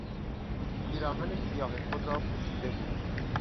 پیراهن سیاه خود را پوشیده بود.